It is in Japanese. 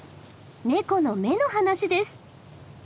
ネコの目の話です。